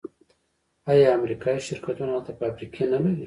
آیا امریکایی شرکتونه هلته فابریکې نلري؟